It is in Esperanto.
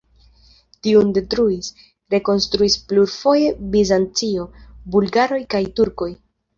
Tiun detruis, rekonstruis plurfoje Bizancio, bulgaroj kaj turkoj.